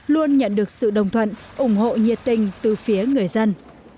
luôn nhận được sự đồng thuận ủng hộ nhiệt tình từ phía người dân